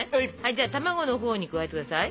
じゃあ卵のほうに加えて下さい。